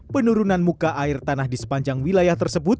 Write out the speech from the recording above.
penurunan muka air tanah di sepanjang wilayah tersebut